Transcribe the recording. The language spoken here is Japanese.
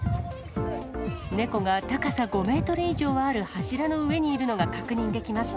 猫が高さ５メートル以上ある柱の上にいるのが確認できます。